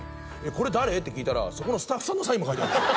「これ誰？」って聞いたらそこのスタッフさんのサインも書いてあるんすよ